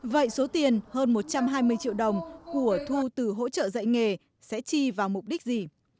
vậy số tiền hơn một trăm hai mươi triệu đồng của thu từ hỗ trợ dạy nghề sẽ chi vào mục đích gì